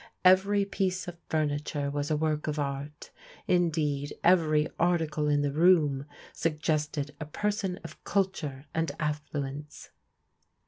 Every piece of furniture was a work of art. Indeed, every article in the room suggested a person of culture and affluence.